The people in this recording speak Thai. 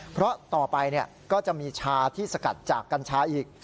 เพราะต่อไปก็จะมีชาที่สกัดจากกัญชาอีก